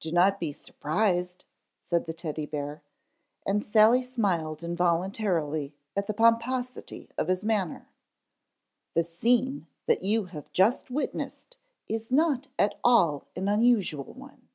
"Do not be surprised," said the Teddy bear, and Sally smiled involuntarily at the pomposity of his manner. "The scene that you have just witnessed is not at all an unusual one.